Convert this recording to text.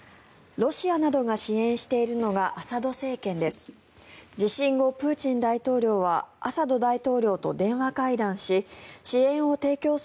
ロシアなどが支援しているのがアサド政権です。